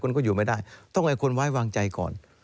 คุณก็อยู่ไม่ได้ต้องให้คนไว้วางใจก่อน